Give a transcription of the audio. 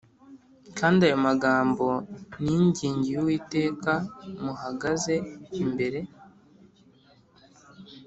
Kandi ayo magambo ningingiye Uwiteka muhagaze imbere